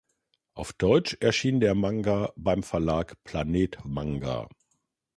Auf Deutsch erschien der Manga beim Verlag Planet Manga.